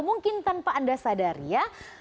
mungkin tanpa anda sadari ya